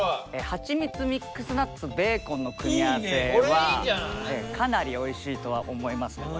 はちみつミックスナッツベーコンの組み合わせはかなりおいしいとは思いますね。